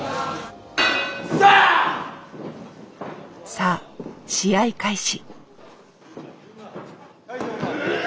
さあ試合開始。